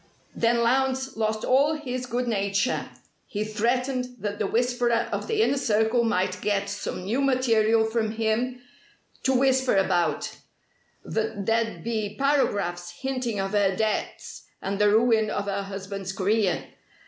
Then Lowndes lost all his good nature. He threatened that the 'Whisperer' of the Inner Circle might get some new material from him to whisper about: that there'd be paragraphs hinting of her debts and the ruin of her husband's career.